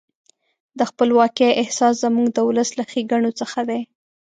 د خپلواکۍ احساس زموږ د ولس له ښېګڼو څخه دی.